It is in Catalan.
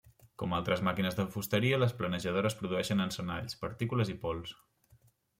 Com altres màquines de fusteria les planejadores produeixen encenalls, partícules i pols.